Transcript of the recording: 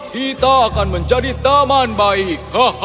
kita akan menjadi taman baik